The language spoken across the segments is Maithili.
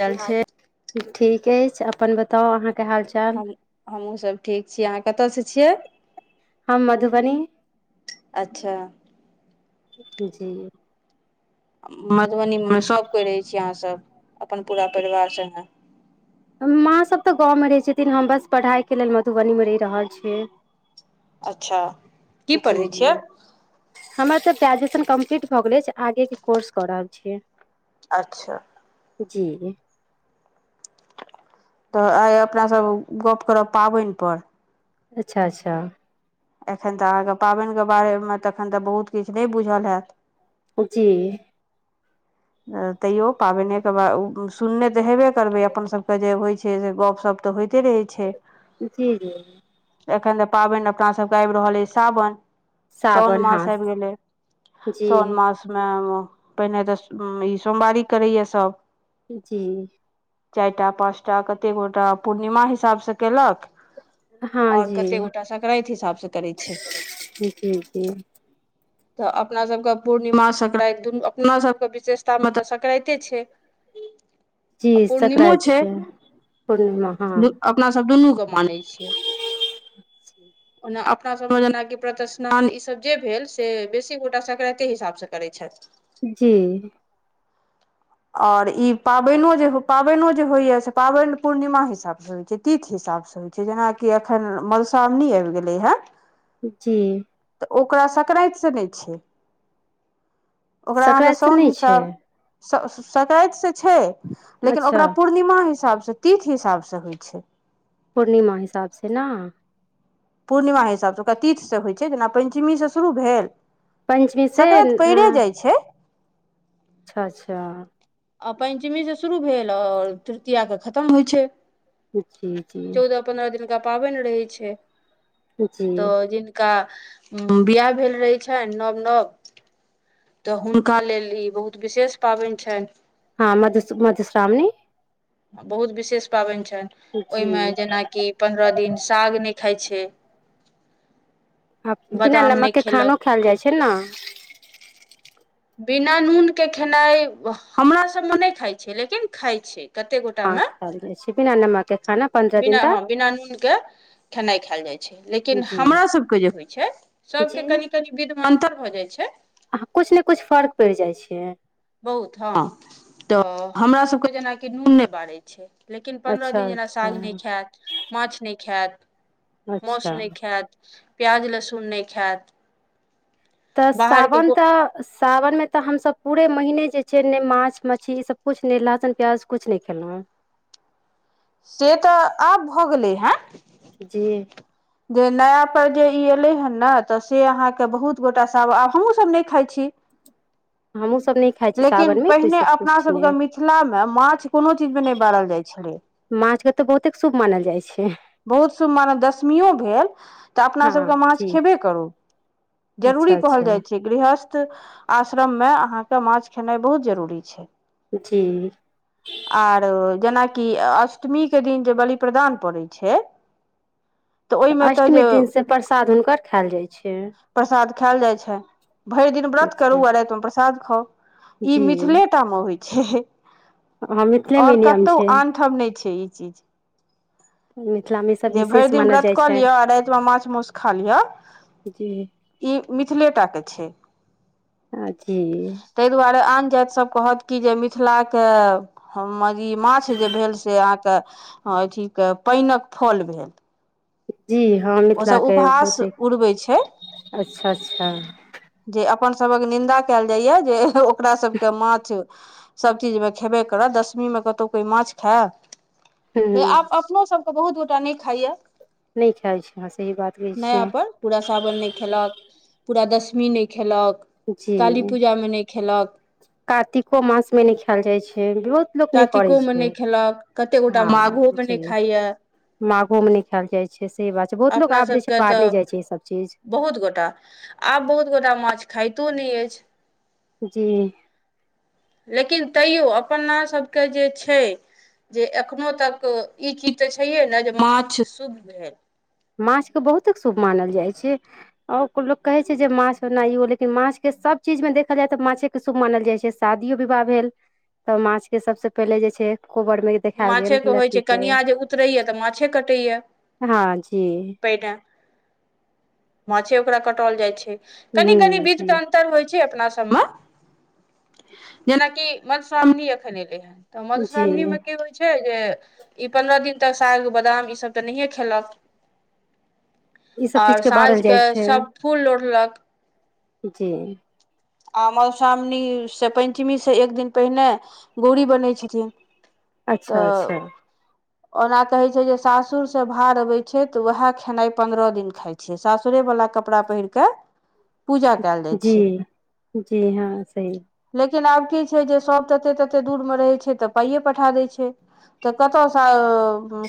चल छै ठीक अछि अपन बताउ अहाँकेँ हाल चाल हम हमहूँ सब ठीक छिये अहाँ कतऽ सँ छियै हम मधुबनी अच्छा जी मधुबनी मऽ सब कोय रहै छियै अहाँ सब अपन पूरा परिवार संगे माँ सब तऽ गाँव मऽ रहे छथिन हम बस पढ़ाई केँ लेल मधुबनी मे रहि रहल छियै अच्छा की जी पढ़ै जी छियै हमर तऽ ग्रेजुएशन कम्प्लीट भऽ गेल अछि आगे केँ कोर्स कऽ रहल छिये अच्छऽ जी तऽ आइ अपना सब गप्प करब पाबैन पर अच्छऽ अच्छऽ अखैन तऽ अहाँ कऽ पाबैन कऽ बारे मऽ तखन तऽ बहुत किछ नय बुझल हैत जी त्यो पाबेन के ब सुनने त हेबे करबे आपन सबके जे होइत छे से गपशप त होइते रहे छे औचि एखन त पाबे अपना सबके अब रहल अई सावन सोन सावन हँ मास अब गेल जी सोन मास पहिने त ई सोमवारी करेए सब जी चार टा पाँच टा कते गोटा पूर्णिमा हिसाब से केलक हँ ओर कतेक जी गोटा संकरेत हिसाब से करेत छे जी जी त अपना सब के पूर्णिमा स संक्रत दुनू अपना सबके विशेषता मे तऽ संकराइते छै। जी आ पूर्णिमो सकरानति छै छ पूर्णिमा हँ। नासब दुनु गप मानय छिए। अपना सबमे जेनाकि प्रतिस्नान ईसभ जे भेल से बेसी गोटा सक्रान्ते हिसाबसँ करैत छथि। जी आ ओर ई पाबेन जे पाबेन जे होइय से पाबेन पूर्णिमा हिसाब से होइ छे तिथि हिसाब से होइ छे जेना कि एखन मधुश्रावणी आब गेले हे जी ओकरा सकरेत सेत छीये उकरा सकराइत तऽ सोन नहि छै हिसाब सकतिसँ छै लेकिन अच्छा ओकरा पूर्णिमा हिसाबसँ तिथ हिसाबसँ होइ छै। पूर्णिमा हिसाबसँ ने। पूर्णिमा हिसाबसँ ओकरा तीथसँ होइ छै जेना पञ्चमीसँ शुरू भेल। पंचमी से संक्रानति न पैरे जाइ छै। अच्छा-अच्छा। आ पञ्चमी सँ शुरू भेल ओर तृतीया के खतम होइ छै। जी-जी। दनका पनि रहै छै जी त। का बियाह भेल रहै छनि नव-नव। तऽ हुनका लेल ई बहुत विशेष पाबैन छनि। हँ मधु मधुश्रामणी। बहुत विशेष पाबनि छनि ओहि जी मे जेनाकि पन्द्रह दिन साग नय खाइत छै। बिना बादाम नहि नमकके खेलक खानो खायएल जाइत छै ने। बिना नूनके खेनाइ हमरा सभमे नहि खाइत छै लेकिन खाइत छै। कते गोटा मे खायल जाइ छै बिना नमक के खाना पन्द्रह दिन बिना तक ह बिना नून के। खेनाइ खायल जाय छै लेकिन जी हमरा सब के जे होइ छै जी सबके कनि-कनि। विधमे अंतर हो जाइ छै। अह कछु ने कछु फर्क पड़ि जाइ छै। बहुत हँ तऽ हमरा सभके जेनाकि नून नय बारै छै। लेकिन पन्द्रह अच्छा दिन जेना अच्छा साग नय खायत माछ नय खत अच्छा मासु नय खायत। प्याज-लसुन नय खायत। तऽ बाहरके सावन तऽ। सावनमे तऽ हमस पूरे महिने जे छै ने माछ मछली ई सब किछु नय लहसुन प्याज किछु नय खेलहुँ हँ। से तऽ आब भऽ गेलै हेँ। जी। जे नयापर जे ई एलै हेँ ने तऽ से अहाँके बहुत गोटा सभ आब हमहूँसभ नहि खाइत छी। हमहुँ सब नय लेकिन पहिने अपना सब कऽ मिथिला मऽ माछ कोनो चीजमे नय बारल जाइ छलै। माछ केँ तऽ बहुतेक शुभ मानल जाइ छै। बहुत सुभ मानव दशमियो भेल तऽ अपना सभ केँ हँ माछ जी खेबे करू। जरूरी अच्छा कहल अच्छा जाइ छै। गृहस्थ आश्रम मे अहाँकेँ माछ खेनाइ बहुत जरूरी छै। जी आओर जेनाकि अष्टमी केँ दिन जे बलि प्रदान पड़ै छै तऽ अष्टमी दिन से प्रसाद हुनकर खाएल जाइ छै। प्रसाद खायल जाइ छै भइर दिन व्रत करू जी आ राइतमे प्रसाद खाउ ई जी मिथिलेटामे होइ छै हँ मिथिलेमे आओर नियम कतहु छै आनठाम नय छै ई चीज मिथिला मे जे भैर दिन व्रत कऽ लिअ आ राइतमे माछ माउस खा लिअ जी ई मिथिलेटा केँ छै आ जी तैय दुआरे आन जाइत सभ कहत कि जे मिथिला कऽ हम ई माछ जे भेल से अहाँ कऽ अथी कऽ पाइनक फल भेल जी हँ मिथिला ओसभ केँ उपहास बहुते उड़बै छै अच्छऽ -अच्छऽ जे अपन सभक निन्दा कैल जाइय जे ओकरा सभ केँ माछ सब चीज मे खेबे करत दसमीमे कतहु कोइ माछ खाय हूँ हे हूँ आब अपनो सभ केँ बहुत गोटा नय खाइ यऽ नहि खाइ छै अहाँ सही बात कहै नया छियै पर पूरा सावन नय खेलक पूरा दशमी नय खेलक काली जी पूजामे नहि खेलक कातिको मास मे नय खैल जाइ छै बहुत लोक नय करै कातिकोमे छै नहि खेलक कते गोटा हँ माघोमे जी नहि खाइए माघो मे नय खैल जाइ छै सही बात छै बहुत लोक अपना आब जे छै सबके बारने तऽ जाइ छै ई सब चीज बहुत गोटा आब बहुत गोटा माछ खाइतो नय अछि जी लेकिन तैयो अपना सभ केँ जे छै जे एखनो तक ई चीज तऽ छैहे नऽ जे माछ शुभ भेल माछ कऽ बहुतेक शुभ मानल जाइ छै आओर लोग कहे छै जे माछ एनाइयो लेकिन माछ केँ सब चीज मे देखल जाय तऽ माछे केँ शुभ मानल जाइ छै शादियो विवाह भेल तऽ माछ केँ सबसे पहिले जे छै कोबर मे देखायल गेल माछेके होइ लड़की छै केँ कनिया जे उतरैया तऽ माछे कटैया हँ जी पहिने माछे ओकरा कटाउल जाइ छै कनि कनि हूँ बीध जी केँ अन्तर होइ छै अपना सब मऽ जेनाकि मधुश्रावणी एखन एलै हेँ तऽ जी मधुश्रावणीमे की होइ छै जे ई पन्द्रह दिन तक साग बादाम ईसभ तऽ नहिए खेलक ई सब चीज आओर के साँझ बारल जाइ केँ छै सब फूल लोढ़लक जी आ मधुश्रावणीसँ पैंचमीसँ एक दिन पहिने गोरी बनै छथिन अच्छऽ तऽ अच्छऽ ओना कहै छै जे सासुर से भार अबे छै ते वएह खेनाई पन्द्रह दिन खाय छै सासुरे वला कपड़ा पहिर के पूजा कयल जाइ जी छै जी हँ सही लेकिन आब की छै जे सभ तते तते दूरमे रहै छै त पाइये पठा दै छै तऽ कतसँ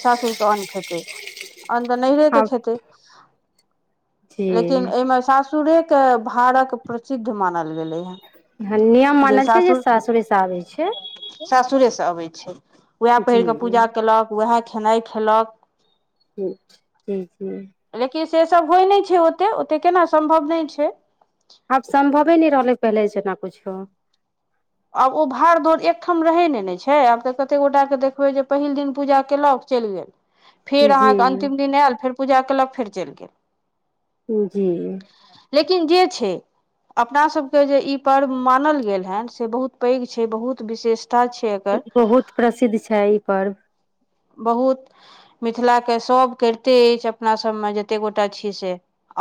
सासुरके अन्न खेतै अन्न तऽ नहिरे के आब खेतै जी लेकिन अय मे सासुरे के भारक प्रचिद्ध मानल गेलै ह हनियम मानल छै जे सासुर से आबै छै सासुरे से अबै छै उएह जी पहिर के पूजा केलक उएह खेनाइ खेलक [unintelligible] लेकिन से सभ होइ नहि छै ओते ओते केना सम्भव नय छै आब सम्भवे नहि रहलै पहिले जेना कुछो आब ओ भाड़ दौड़ एक ठाम रहै नय ने छै आब तऽ कते गोटाके देखबै जे पहिल दिन पूजा केलक चैल गेल फेर जी अहाँके अन्तिम दिन एल फेर पूजा केलक फेर चैल गेल जी लेकिन जे छै अपना सभके जे ई पर्व मानल गेल हेन से बहुत पैघ छै बहुत विशेषता छै एकर बहुत प्रसिद्ध छै ई पर्व बहुत मिथिलाके सभ करिते अछि अपनासभमे जते गोटा छी से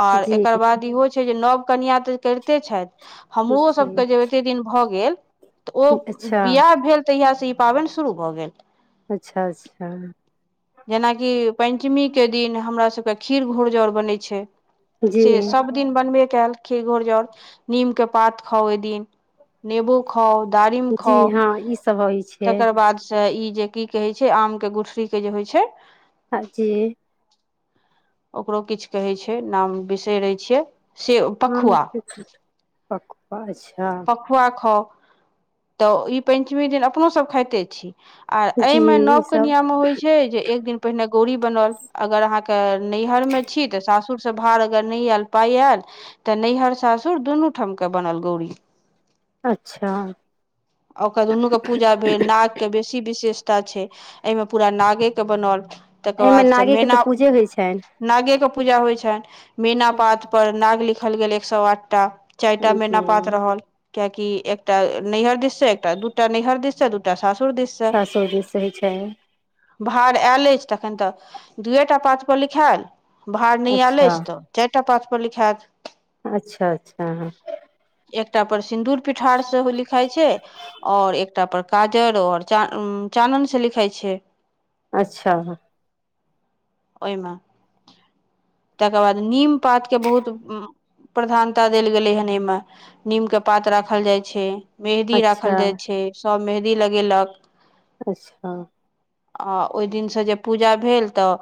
आओर जी एकर बाद इहो छै जे नव कनिआँ तऽ करिते छथि हमरो सबके जी जे एते दिन भ गेल त ओ अच्छा बियाह भेल तहिया से ई पाबनि शुरू भ गेल अच्छा अच्छा जेनाकि पंचमी के दिन हमरा सबके खीर घुर जौर बनै छै जी से सब दिन बनबे कैल खीर घोर जौर नीम के पात खाउ ओइ दिन नेबो खाउ दारिम जी खाउ हँ ई सब होइ छै तकर बाद से ई जे की कहै छै आमके गुठरीके जे होइ छै आ जे ओकरो किछ कहै छै नाम बिसरै छिये [unintelligible] आम पकबा छा पखुआ खाउ त ई पञ्चमी दिन अपनो सब खाइते छी आ जी एहिमे नव ई सब कनिआमे होइ छै जे एक दिन पहिने गौरी बनल अगर अहाँ के नैहर में छी त सासु र से भार अगर नहि आयल पाय आयल त नैहर सासुर दुनू ठाम के बनल गौरी अच्छा आ ओकरा दुनू के पूजा भेल नाग के बेसी विशेषता छै अयमे पूरा नागे के बनल तकर एहिमे बादसँ नागे के तऽ मैना पूजे होइ छनि नागेके पूजा होइ छनि मैना पात पर नाग लिखल गेल एक साए आठटा चारिटा मैना जी पात रहल कियाकि एकटा नैहर दिस से एकटा दूटा नैहर दिस से त सासुर दिस सासुर दिस होइ छै भार आयल अछि तखन त दुएटा पातपर लिखायल भाड़ नहि आयेल अच्छा अछि त चारिटा पात पर लिखायेत अच्छा अच्छा एकटा पर सिन्दूर पिठार सेहो लिखाइ छै और एक एकटा पर काजर आओर चा-चानन से लिखै छै अच्छा ओइमे तकर बाद नीम पातके बहुत प्रधानता देल गेलै हेन एहिमे नीमके पात राखल जाइ छै मेहदी राखल अच्छा जाइ छै सभ मेंहदी लगैलक अच्छा आ ओहि दिनसँ जे पूजा भेल तऽ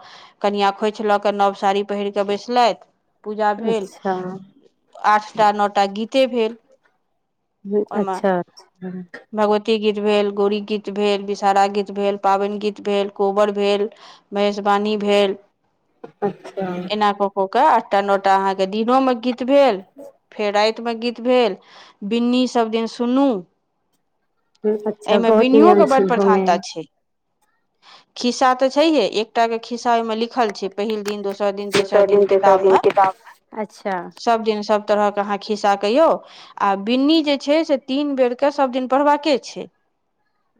कनियाँ खोइछ लऽ कऽ नव साड़ी पहिर कऽ बैसलैथि पूजा भेल अच्छा हम्म, आठटा नओटा गीते भेल हूँ ओहिमे अच्छा भगवती गीत भेल गौड़ी गीत भेल विषहारा गीत भेल पाबनि गीत भेल कोबर भेल मेहेशवाणी भेल अच्छा एना कऽ कऽ के आठटा नोटा अहाँ दिनोमे गीत भेल फेर रातिमे गीत भेल बिन्नी सब दिन सुनू हम्म, अच्छा एहिमे बहुत नियम बनियोके छै बड्ड इहोमे प्रधानता छै खिस्सा तऽ छैहे एकटाके खिस्सा ओहिमे लिख लिखल छै पहिल दिन दोसर दिन तेसर दिन किताबमे अच्छा सब दिन सभ तरहके अहाँ खिस्सा कहियौ आ बिन्नी जे छै से तीन बेरके सभदिन पढ़बाके छै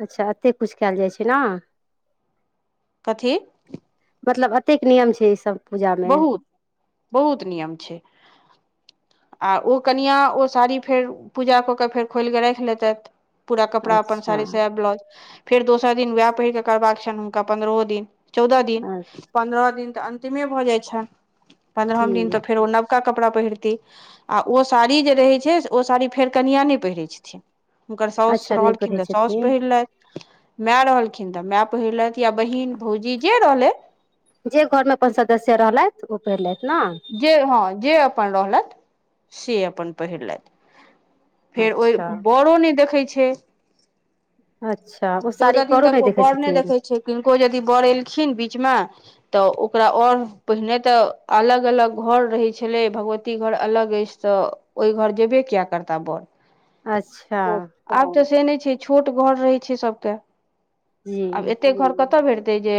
अच्छा एते कुछ काएल जाइ छै नऽ कथि मतलब अतेक नियम छै ई सब बहुत बहुत नियम छै आ ओ कनिआँ ओ साड़ी फेर पूजा कऽके फेर खोलि कऽ राखि लेतथि पूरा कपड़ा अपन अच्छा साड़ी साया ब्लाउज फेर दोसर दिन उहाए पहिर कऽ करबाक छनि हुनका पन्द्रहो दिन चौदह दिन अ- पन्द्रह दिन तऽ अंतिमे भऽ जाइ छनि जी पन्द्रहम दिन तऽ फेरो नब नबका कपड़ा पहिरती आ ओ साड़ी जे रहै छै ओ साड़ी फेर कनियां नहि पहिरै छथिन हुनकर साउस अच्छा नहि रहलखिन पढ़ै तऽ साउस छथिन पहिरलेथि माए रहलखिन तऽ माए पहिरलेथि या बहिन भौजी जे रहलैथ जे घरमे अपन सदस्य रहलेथि ओ पहिरलेथि ने जे हाँ जे अपन रहलेथि से अपन पहिरलेथि फेर ओहि अच्छा बड़ो नहि देखै छै अच्छा ओ साड़ी चौदह दिन बरो तक नहि ओ देखै बर छथिन छै किनको यदि बर एलखिन बीचमे तऽ ओकरा ओहर पहिने तऽ अलग अलग अलग घर रहै छलै भगवती घर अलग अछि तऽ ओहि घर जेबे किया करता बरऽ अच्छा आब तऽ से नहि छै छोट घर रहे छै सबके जी आब एते घर कतऽ भेट ते जे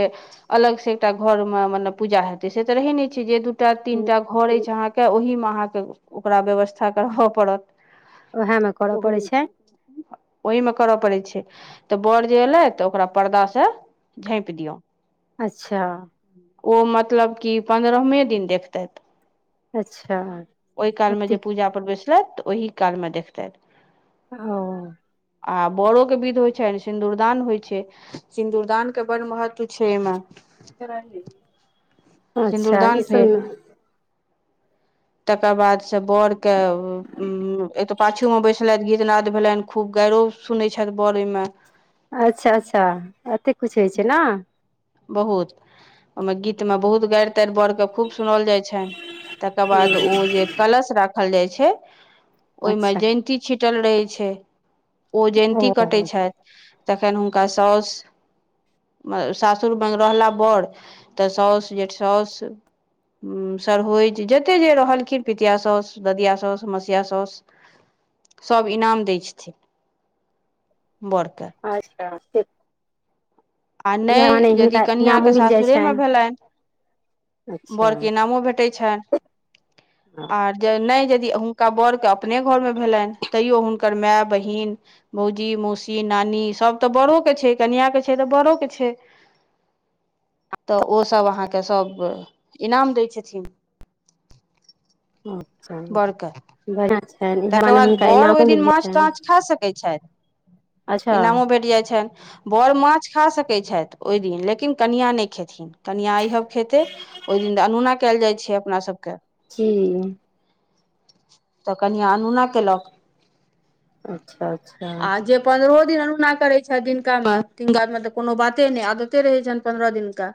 अलग सेँ एकटा घरमे मतलब पूजा हेतै से तऽ रहै नहि छै दूटा हम्म, तीनटा घर अछि अहाँके ओहिमे अहाँके ओकरा व्यवस्था करबऽ पड़त उएहमे करय पड़ै ओहि छै ओहिीमे करऽ पड़ै छै तऽ बरऽ जे एयलैथ तऽ ओकरा पर्दासँ झाँपि दियौ अच्छा ओ मतलब कि पन्द्रहमे दिन देखतैथ अच्छा ओहि कालमे जे ओतेक पूजा पर बैसलथि तऽ ओहि कालमे देखतथि ह-ओ आ बोड़ो के विध होइ छैन सिन्दूरदान होइ छै सिन्दूरदान के बड़ महत्व छै एहिमें [inaudible] अच्छा सिन्दूरदान ई सब भेल में तकर बाद से बर के एतऽ पाछू में बैसलेथ गीतनाद भेलेन खूब गाइरो सुनैत छैथ बड़ ओयमे अच्छा अच्छा एते कुछ होइ छै ने बहुत ओयमे गीत मे बहुत गैर तैर बर के खूब सुनाइल जाइ छैन तकर बाद ओ हूँ जे कलश राखल जाइ छै ओयमे अच्छा जयन्ती छिटल रहैत छै ओ जयन्ती ओ कटैत छैथ तखन हुनका साउस सास सुर बंग रहला बड़ तऽ साउस जेठ साउस सरहोइज जते जे रहलखिन पितिया साउस ददिया साउस मसिया साउस सभ इनाम दै छथिन बर कऽ अच्छा आ इएह नय मने यदि हिनका इनामो कनिआँके मिल जाइ सासुरेमे छनि भेलेन अच्छा बोड़ के इनामो भेटैत छैन आर जे नय यदि हुनका बड़ के अपने घर मे भेलेन तैयो हुनकर माय बहिन भौजी मौसी नानी सब तऽ बड़ो के छैय छी कनिआँ के छैय तऽ बड़ोके छैय तऽ ओ सब अहाँके सब इनाम दै छथिन अच्छा बड़के बढ़िआँ छनि इएह तकर मने बाद हुनका बड़ ओय इनामो दिन मिल जाइ माछ छनि ताछ खा सकैत छैथ अच्छा इनामो भेट जाइत छैन बड़ माछ खा सकैत छैथ ओय दिन लेकिन कनिआ नय खेथिन कनिया ईहब खेते ओय दिन अनोना कयल जाइ छै अपना सभके की कनिआं अनूना केलक अच्छा अच्छा पंन्द्रहो दिन अनुना करै छेथ दिनका मे तिनका मे तऽ कोनो बाते नय आदते रहैत छैन पन्द्रह दिनका